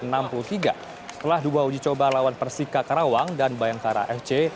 setelah dua uji coba lawan persika karawang dan bayangkara fc